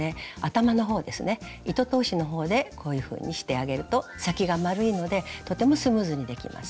糸通しのほうでこういうふうにしてあげると先が丸いのでとてもスムーズにできます。